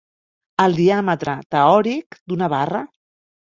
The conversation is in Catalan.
El diàmetre teòric d'una barra.